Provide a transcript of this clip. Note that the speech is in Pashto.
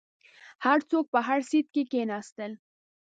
هر څوک په هر سیټ کې کیناستل.